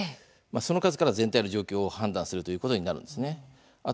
その数から全体の状況を判断するということになります。